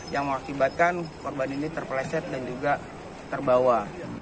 yang mengakibatkan korban ini terpleset dan juga terbawa